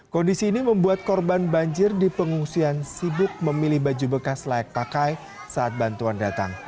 kondisi ini membuat korban banjir di pengungsian sibuk memilih baju bekas layak pakai saat bantuan datang